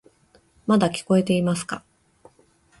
まだ聞こえていますか？